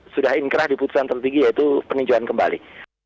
sudah inkrah di putusan tertinggi yaitu peninjauan kembali